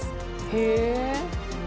へえ。